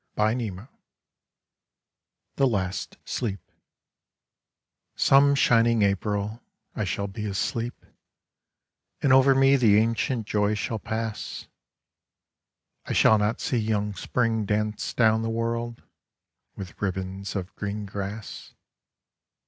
THE LAST SLEEP COME shining April I shall be asleep, ^ And over me the ancient joy shall pass; I shall not see young Spring dance down the world With ribbons of green grass.